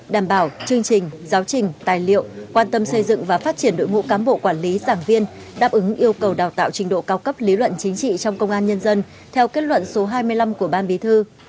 đảm bảo chương trình giáo trình tài liệu quan tâm xây dựng và phát triển đội ngũ cán bộ quản lý giảng viên đáp ứng yêu cầu đào tạo trình độ cao cấp lý luận chính trị trong công an nhân dân theo kết luận số hai mươi năm của ban bí thư